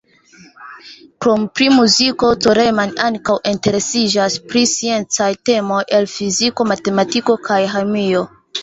Krom pri muziko Coleman ankaŭ interesiĝas pri sciencaj temoj el fiziko, matematiko kaj ĥemio.